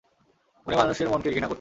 উনি মানুষের মনকে ঘৃণা করতেন।